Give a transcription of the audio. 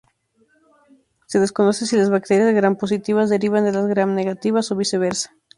Se desconoce si las bacterias grampositivas derivan de las gramnegativas o viceversa.